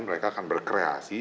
mereka akan berkreasi